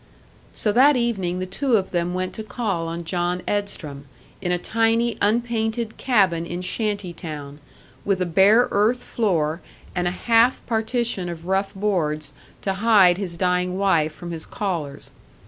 So that evening the two of them went to call on John Edstrom, in a tiny unpainted cabin in "shanty town," with a bare earth floor, and a half partition of rough boards to hide his dying wife from his callers.